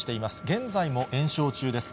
現在も延焼中です。